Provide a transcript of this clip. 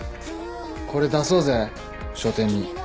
これ出そうぜ書展に。